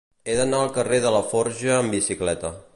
He d'anar al carrer de Laforja amb bicicleta.